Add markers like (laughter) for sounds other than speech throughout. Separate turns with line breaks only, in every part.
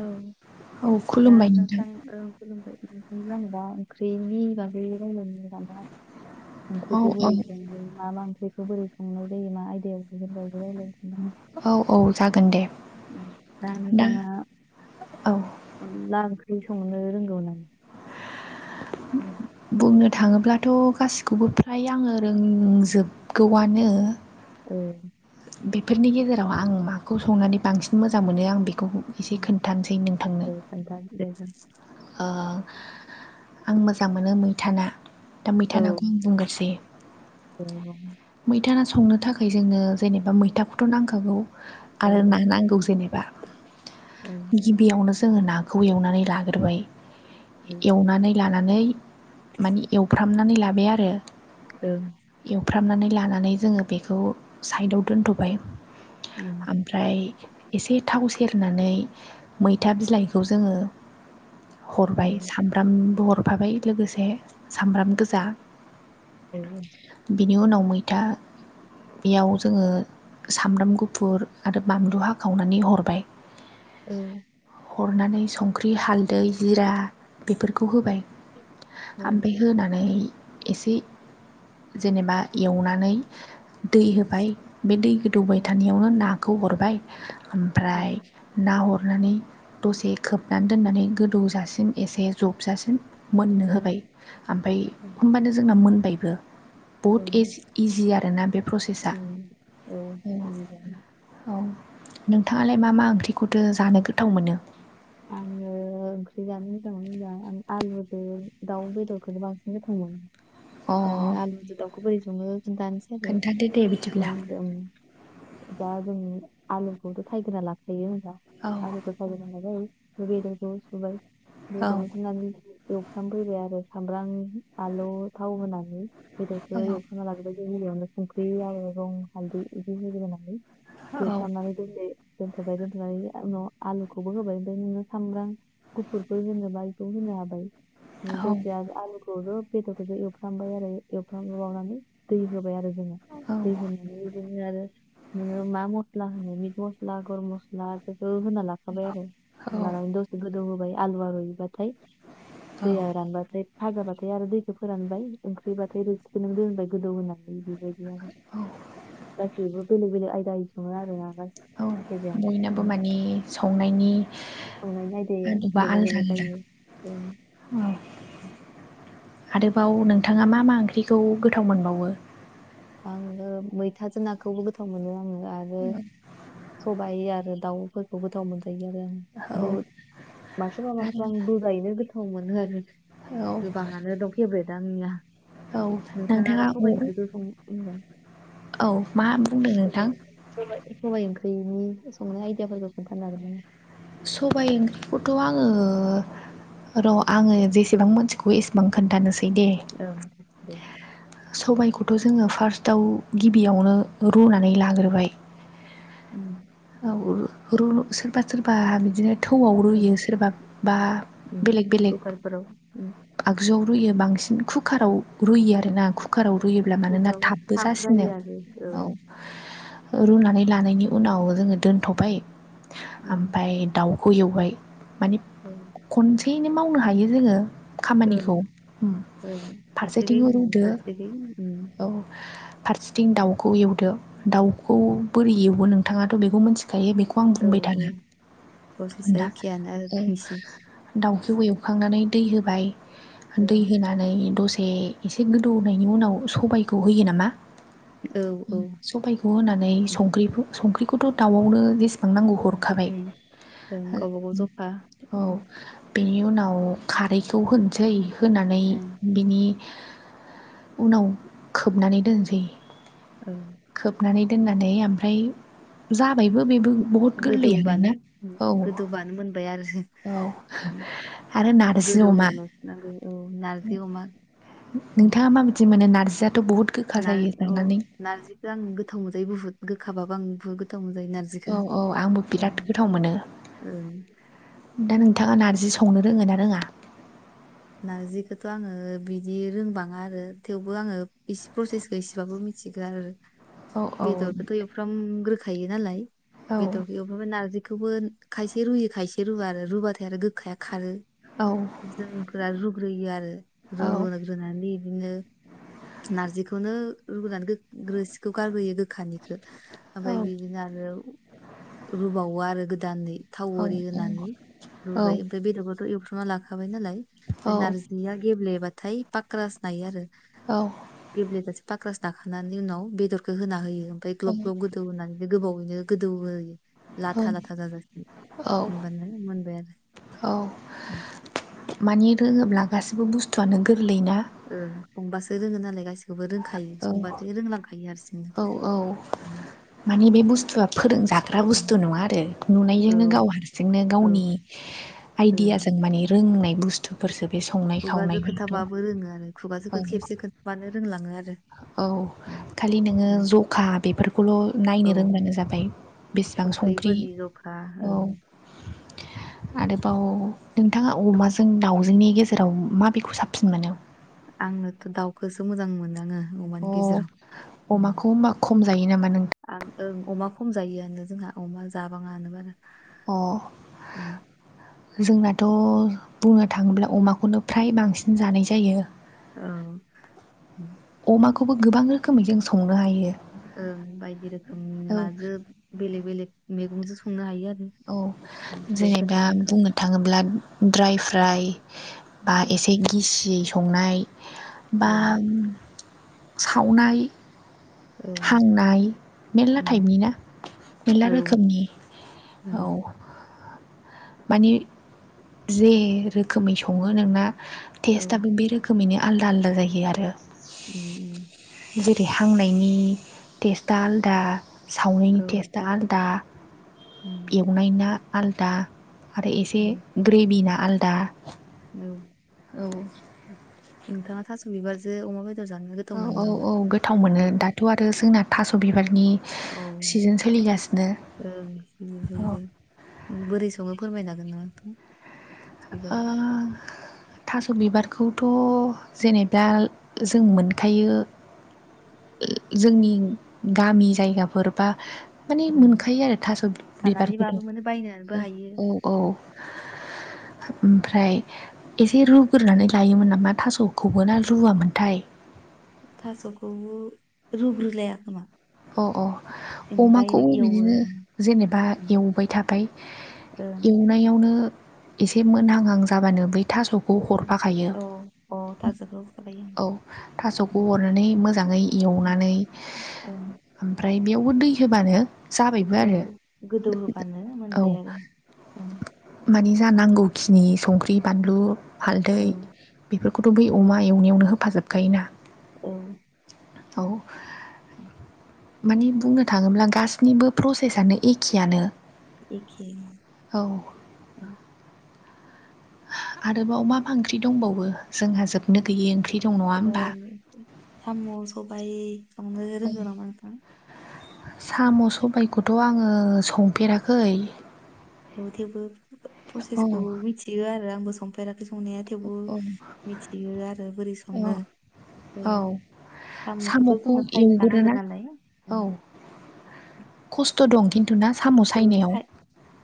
औ दा नोंथां ओ खुलुमबाय (unintelligible) ख्रिनि बागै रायलायनो सानदों आं
औ
ओंख्रिखौ
औ
बोरै सङो मा मा ओंख्रिखौ बोरै संनाय जायो मा आयदायाव (unintelligible)
औ औ जागोन दे दा औ
अनला ओंख्रि संनो रोंगौ ना? (unintelligible)
बुंनो थाङोब्लाथ' गासिखौबो फ्राय आङो रोंजोबगौआनो
औ
बेफोरनि गेजेराव आं माखौ संनानै बांसिन मोजां मोनो आं बे एसे खोन्थानोसै नोंथांनो
दे खोन्था दे जों
ओ आं मोजां मोनो मैथा ना दा मैथा
औ
नाखौ आं बुंग्रोसै
दे बुं
मैथा ना संनो थाखाय जोङो जेनेबा मै थाखौथ' नांखागौ
औ
आरो ना नांगौ जेनेबा
औ
गिबियावनो जों जोङो नाखौ एवनानै लाग्रोबाय एवनानै लाना नै माने एवफ्रामनानै लाबाय आरो
औ
फ्रामनानै लानानै जोङो बेखौ साइदाव दोनथ'बाय ओमफ्राय एसे थाव सेरनानै मैथा बिलाइखौ जोङो हरबाय सामब्रामबो हरफाबाय लोगोसे सामब्राम गोजा
औ
नि उनाव मैथा बेयाव जोङो सामब्राम गुफुर आरो बानलु हाखावनानै हरबाय।
औ
हरनानै संख्रि हालदै जिरा बिफोरखौ होबाय। ओमफ्राय होनानै एसे जेनेबा एवनानै दै होबाय बे दै गोदौबाय थानायावनो नाखौ हरबाय। ओमफ्राय ना हरनानै दसे खोबनानै दोननानै गोदौ जासिम एसे जोबजासिम मोननो होबाय ओमफ्राय होमबानो जोंना मोनबायबो। बहुत इजि आरोना बे प्रसेसा
उम उम औ
नोंथाङालाय मा मा ओंख्रिखौथो जानो गोथाव मोनो।
आङो मा मा ओंख्रि जानो मोजां‌ मोनो होनबा आं आलुजों दाउ बेदरखौनो बांसिन गोथाव
अ
मोनो। आलुजों दाउखौ बोरै सङो खिन्थानोसै आरो
खोन्थादो दे बिदिब्ला
ओ ओ दा जों आलुखौथ' सायगोरना लाखायो ना
औ
आलुखौ सायगोरना लाबाय। बेदरखौ सुबाय
औ
बेदरखौ सुनानै एवफ्राम फैबाय आरो सामब्राम आलु थाव होनानै
औ
बेदरखौ एवफ्रामना लाग्रोबाय। गिबियावनो संख्रि आरो रं हालदै बिदि होग्रोनानै
औ औ
एवफ्रमनानै दसे दोन्थ'बाय दोनथ'नानै उनाव आलुखौबो होबाय नो सामब्राम गुफुरफोर होनोबा बेखौ होनो हाबाय दसे आलु बेदरखौबो एवफ्रामबाय आरो एवफ्रामबावनानै दै होबाय आरो। दै होननानै बिदिनो आरो आरो नोङो मा मस्ला होनो मिट मस्ला गरम मस्ला बेफोरखौ होना लाखाबाय आरो।
औ
होना लानानै दसे गोदौ होबाय आलुवा रुइबाथाय दैया रानबाथाय फाजाबाथाय आरो दैखौ फोरानबाय ओंख्रिबाथाय रोसिखौ नों दोनबाय गोदौ होनानै बेबायदि बिदि आरो
औ
गासैबो बेलेग बेलेग आयदाजों सङो आरोना
औ
गासैबो
बयनाबो
एखेजायानो
माने संनायनि
संनायनि आयदाया
आदबा
बेलेग
आलदा
बेलेग
आलदा
जायो।
औ आरोबाव नोंथाङा मा मा ओंख्रिखौ गोथाव मोनबावो।
आङो मैथाजों नाखौबो गोथाव मोनो आङो आरो सबाइ आरो दाउफोरखौ गोथाव मोनजायो आरो आं
औ
बुहुद माखौबा माखौब्रा आं
आरो
बुर्जायैनो गोथाव मोनो आरो।
औ
गोबाङानो दं फेभ्रेटा आंनिया नोंथाङा दा सबाइ ओंख्रिखौ सं
औ मा बुंदों नोंथां?
सबाय ओंख्रिनि संनाय आइदियाफोरखौ खोन्थानो हागोन नामा?
सबाय ओंख्रिखौथ' आङो र' आङो जेसेबां मोनथिगौ एसेबां खोन्थानोसै। दे
औ दे
सबायाइखौथ' जोङो फार्स्टआव गिबियावनो रुनानै लाग्रोबाय।
उम
र सोरबा सोरबा बिदिनो थौआव
ओं
रुयो सोरबा बा
उम
बेलेग बेलेग
कुकारफोराव उम
आगजुआव रुयो बांसिन कुकाराव रुयो आरो। आरोना कुकाराव
औ,
रुयोब्ला मानोना
कुकाराव
थाबबो
थाब
जासिनो
जायो आरो औ
औ रुनानै लानायनि उनाव जोङो दोनथ'बाय
औ
ओमफ्राय दाउ खौ एवबाय माने
ओं
खनसेयैनो मावनो हायो जोङो।
ओं
खामानिखौ
ओं
फारसेथिं
फारसेखै होनानै
रुदो
फारसेखै उम
औ फारसेथिं दाउखौ एवदो दाउखौ बोरै एवो नोंथाङाथ' बेखौ मिथि- खायो बेखौ आं
औ
बुंबाय
औ
थाला औ
प्रसेसा
नोंथां
एखेयानो आरो नोंसि
औ दाउखौ एवखांनानै दै होबाय
औ
दै होनानै दसे एसे गोदौनायनि उनाव सबायखौ होयो नामा
औ औ
सबायखौ होनानै संख्रिखौ संख्रिखौथ' दाउआवनो जेसां हर नांगौ
उम
हरखाबाय
उम, ओं गावबा गाव जखा उम
औ बेनि उनाव खारैखौ होनोसै होनानै
ओं
बिनि उनाव खोबनानै दोनसै
औ
खोबनानै दोननानै ओमफ्राय जाबायबो बेबो बुहुत गोरलैयानो
गोदौबानो
ना
उम,
औ
गोदौबानो मोनबाय आरो
औ आरो नार
गोदौ होनांगौ नांगौ औ नारजि अमा उम,
नोंथाङा मााबायदि मोनो नार
नार अ नारजिखौ आं गोथाव मोनजायो बुहुत गोखाबाबो आं बुहुद गोथाव मोनजायो नारजिखौ
औ औ आंबो
ओं
बिराद गोथाव मोनो
ओं
दा नोंथाङा नारजि सं संनो रोङो ना रोङा
नारजिखौथ' आङो बिदि रोंबाङा आरो थेवबो आङो इसे प्रसेसखौ इसेबाबो मिथि गो आरो
औ औ
बेदरखौथ एवफ्राम ग्रोखायो नालाय
औ
बेदरखौ एवफ्रामबाय नारजि खौबो खायसे रुयो खायसे रुवा आरो रुबाथाय आरो गोखाया खारो
औ
जों रा रुग्रोयो आरो
औ
रुग्रोनानै बिदिनो नारजिखौनो रुगोरना गोग रोसिखौ गारग्रोयो गोग खानिखौ
औ
ओमफाय बिदिनो आरो रुबावो आरो गोदानै थाव
औ
ओरि होनानै रुबाय ओमफाय बेदरखौथ' एवथ्रमना लाखाबाय नालाय फाय
औ
नारजिया गेब्लेबाथाय पाक्रास नायो आरो
औ
गेब्लेबासो पाक्रास दाखोनानै उनाव बेदरखौ होना होयो ओमफ्राय ग्लब ग्लब गोदौ होनानै गोबावैनो गोदौ होयो लाथा लाथा जाजासिम
औ
होमबानो मोनबाय आरो उम
मानि रोङोब्ला गासिबो बुस्थुआनो गो
ओ संबासो रोङो नालाय गासिखौबो रोंखायो
औ
संबथाय रोंलांखायो हारसिंनो
औ औ
(inaudible)
माने बे बुस्थुआ फोरोंजाग्रा
औ
बुस्थु नङा आरो नुनायजोंनो गाव हारसिंनो
औ
गावनि
ओं
आइडियाजों माने रोंनाय बुस्थुफोरसो बे संनाय
खुगाजों
खावनायफोराथ'
खोथाबाबो रोङो आरो खुगाजो
औ
खेबसे खोनथाबानो रोंलाङो आरो
औ खालि नोङो जखा बेफोरखौल' ना
औ
नायनो रोंब्लानो जाबाय बेसेबां संख्रि
संख्रिफोरनि जखा
औ
ओं (inaudible)
आरोबाव नोंथाङा अमाजों दाउजोंनि गेजेराव माबेखौ साबसिन मोनो
आंनोथ' दाउखौसो मोजां मोनदाङो अमानि
अ
गेजेराव उम
अमाखौ होमबा खम जायो नामा नोंथां
आं ओं अमा खम जायोआनो जोंहा अमा जाबाङानो बारा
अ
उम,
जोंना थ' बुंनो थाङोब्ला अमाखौनो फ्राय बांसिन जानाय जायो
औ
अमाखौबो गोबां रोखोमै जों संनो हायो
ओं बायदि रोखोम
औ
माजों बेलेग बेलेग मैगंजों संनो हायो आरो
औ
उम, दे
जेनेबा
खोन्था नोंथाङा
बुंनो
उम,
थाङोब्ला ड्राइ फ्राइ बा
औ
एसे गिसि संनाय बा
ओं
सावनाय
औ
हांनाय मेरला
उम
टाइपनि ना मेरला
औ ओं
रोखोमनि औ माने जे रोखोमै सङो नोंना
औ
टेस्टआबो बे रोखोमैनो आलदा आलदा जायो आरो
उम उम
जेरै हांनायनि टेस्टा आलदा सावनायनि
औ
टेस्टा आलदा
उम
एवनाय ना आलदा आरो एसे
उम
ग्रेभि ना आलादा
औ
औ
नोंथाङा थास' बिबारजो अमा बे
औ औ औ गोथाव मोनो दाथ' आरो जोंना थास' बिबार नि
औ
सिजोन सोलिगासिनो
ओं
औ
जोंजों बोरै सङो फोरमायनो हागोना नोंथां? थास'
आ
बिबारजों
थास' बिबारखौथ' जेनेबा जों मोनखायो जोंनि गामि जायगाफोर बा माने
ओं
मोनखायो आरो थास' बिबारखौथ'
खानानैबाबो मोनो बायनानैबो हायो
औ औ औ
उम,
ओमफ्राय एसे रुग्रोनानै लायोमोन नामा थास'खौबो ना रुवामोनथाय
थास'खौबो रुग्रोलाया खोमा
अ अ
उम
अमाखौबो
डाइरेक्ट एवो
बिदिनो जेनेबा एवबाय थाबाय एवनायावनो एसे मोनहांहां जाबानो बै थास'खौ हरफाखायो
ओं अ थास'खौ
औ थास'खौ हरनानै मोजाङै एवनानै
ओं
ओमफ्राय बेयावबो दै होबानो जाबायबो
औ
आरो
गोदौ होबानो
औ
मोनबाय आरो ओं
मानि जा नांगौखिनि संख्रि बानलु हालदै
औ
बेफोरखौथ' बे अमा एवनायावनो होफाजोबखायोना औ
उ
माने बुंनो थाङोब्ला गासिनिबो प्रसेसनो एखेयानो
एखे
औ
ओं
आरोबाव मा मा ओंख्रि दंबावो जोंहा जोबनो गैयै ओंख्रि दं नङा होमबा
साम' सबायाइखौनो रोंगौ नामा नोंथां?
साम' सबायखौथ' आङो संफेराखै
थेवबो
औ
प्रसेसखौ मिथियो आरो आंबो संफेराखै ओंख्रि संनाया थेवबो
औ
मिथियो आरो बोरै सङो
औ औ
साम'खौथ'
साम'खौ
जोङो सायखानांगोन नालाय
खसथ' दं थु ना साम'
औ
सायनायाव
साय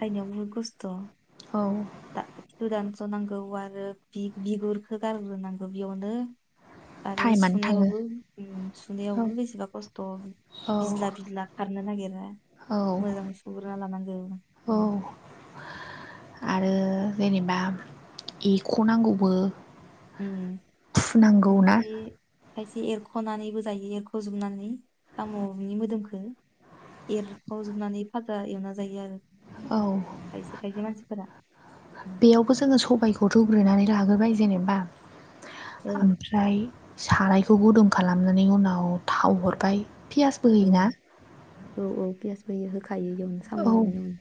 सायनायाव बुहुद खस्थ'
औ
खिथु दानस'नांगौ आरो बिगुरखौ गारग्रोनांगौ बेयावनो आरो
टाइमानो थाङो
सुनायावबो
औ
सुनायावबो बेसेबा खसथ'
औ
बिजला बिजला खारनो नागिरा
औ
मोजां सुग्रोना लानांगौ
औ
उम
आरो जेनेबा एख' नांगौबो
उम
फुनांगौ ना
खायसे खायसे एरख'नानैबो जायो एरख'जोबनानै साम'नि मोदोमखौ एरख'वजोबनानै फाजा एवना जायो आरो
औ
खायसे खायसे मानसिफोरा उम
बेयावबो जोङो सबायखौ दुग्रोनानै लाग्रोबाय जेनेबा
औ औ
ओमफ्राय सारायखौ गुदुं खालामनायनि उनाव थाव हरबाय पियासबो
औ
होयोना
औ औ पियासबोयो होखायो बेयावनो साम'
औ
एवनायावनो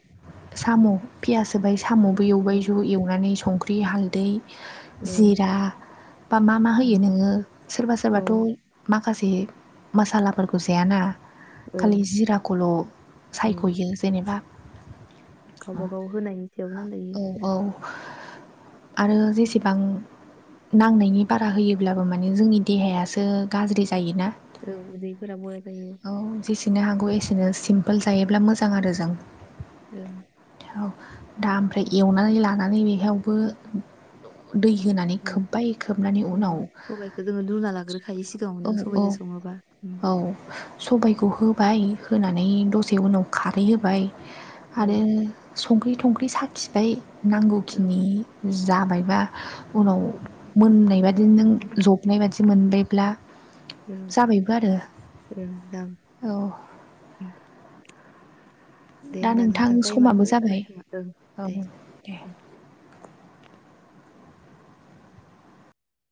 साम' पियास होबाय साम'बो एवबाय
औ
ज' एवनानै संख्रि हालदै
औ
जिरा बा मा मा होयो नोङो सोरबा
औ
सोरबाथ' मा माखासे मसालाफोरखौ जायाना खालि
ओं
जिराखौल'
उम
सायख'यो जेनेबा
गावबा गाव होनाय
औ औ आरो जेसेबां नांनायनि बारा होयोब्लाबो माने जोंनि देहायासो गाज्रि जायोना।
औ उदैफोराबो बया जायो।
औ जेसेनो हागौ एसेनो सिमपोल जायोब्ला मोजां आरो जों
ओ
औ दा ओमफ्राय एवनानै लानानै बेहावबो दै होनानै
ओं
खोबबाय खोबनानै
औ
उनाव
सबाइखौ जोङो लुना लाग्रोखायो
औ
सिगाङावनो
औ
सबाइजों सङोबा उम
औ सबाइयखौ हो होबाय होनानै दसे उनाव खारै होबाय
औ
आरो। संख्रि थंख्रि साखिबाय
औ ओं
नांगौखिनि जाबायबा उनाव मोननाय बादि नों जबनाय बादि मोनबायब्ला। जाबायबो आरो औ
(inaudible) दे होमबा नोंथां टाइमाबो जाबाय नामा ओं
औ
दे
दे
ओ